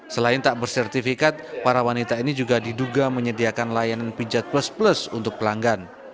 selain tak bersertifikat para wanita ini juga diduga menyediakan layanan pijat plus plus untuk pelanggan